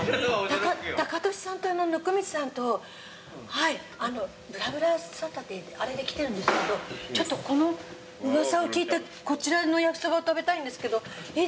タカトシさんと温水さんとはいあの『ぶらぶらサタデー』ってあれで来てるんですけどちょっとこの噂を聞いてこちらの焼きそばを食べたいんですけどいいですか？